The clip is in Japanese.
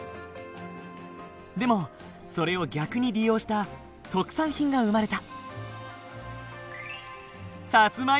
でもそれを逆に利用した特産品が生まれた。